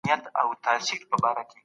کمپيوټر د بزګر مرسته کوي.